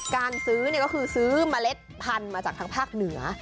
การซื้อเนี่ยก็คือซื้อมาเล็ตพันมาจากทางภาคเหนือ